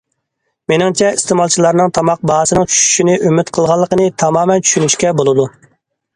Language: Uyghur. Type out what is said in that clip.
مېنىڭچە، ئىستېمالچىلارنىڭ تاماق باھاسىنىڭ چۈشۈشىنى ئۈمىد قىلغانلىقىنى تامامەن چۈشىنىشكە بولىدۇ.